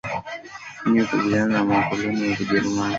ili kukabiliana na wakoloni wa kijerumani